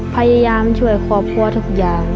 พยายามช่วยครอบครัวทุกอย่าง